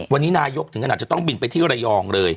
วันนี้นายกถึงขนาดจะต้องบินไปที่ระยองเลย